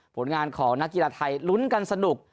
ผลงานของนักกีฬาไทยลุ้นกันสนุก